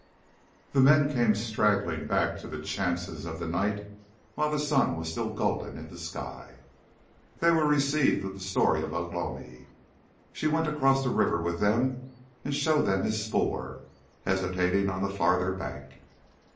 The men came straggling back to the chances of the night while the sun was still golden in the sky. They were received with the story of Ugh lomi. She went across the river with them and showed them his spoor hesitating on the farther bank.